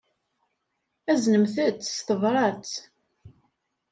Aznemt-t s tebṛat.